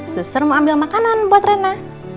suster mau ambil makanan buat rena